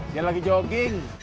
dia lagi jogging